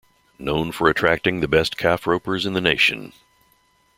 Known for attracting the best Calf Ropers in the nation.